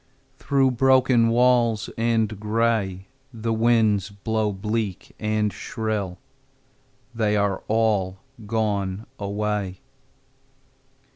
Through broken walls and gray The winds blow bleak and shrill: They are all gone away.